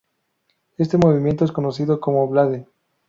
Este movimiento es conocido como Blade.